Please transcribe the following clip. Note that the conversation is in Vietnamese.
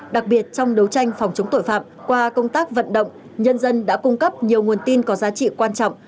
đặc biệt trong đấu tranh phòng chống tội phạm qua công tác vận động nhân dân đã cung cấp nhiều nguồn tin có giá trị quan trọng